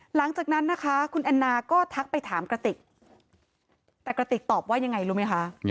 หลังจากนั้นนะคะคุณแอนนาก็ทักไปถามกระติกแต่กระติกตอบว่ายังไงรู้ไหมคะ